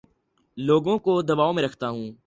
لوگوں کو دباو میں رکھتا ہوں